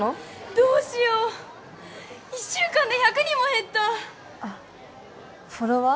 どうしよう１週間で１００人も減ったフォロワー？